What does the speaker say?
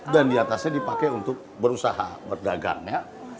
dan diatasnya dipakai untuk berusaha berdagang ya